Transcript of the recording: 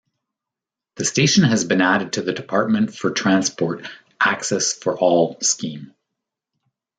The station has been added to the Department for Transport "Access for All" scheme.